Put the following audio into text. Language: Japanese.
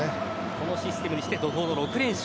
このシステムにして怒涛の６連勝。